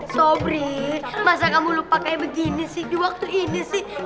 sobri masa kamu lupa kayak begini sih di waktu ini sih